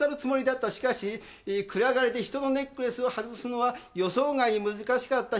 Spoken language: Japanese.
しかし暗がりで人のネックレスを外すのは予想外に難しかった。